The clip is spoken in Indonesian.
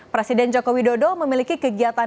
presiden jokowi dodo memiliki kegiatan